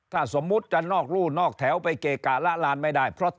ขาดอยู่๗๐๐๐๐กว่าอัตรา